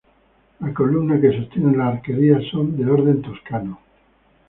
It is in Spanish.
Las columnas que sostienen la arquería son de orden toscano.